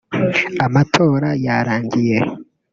Amatora yarangiye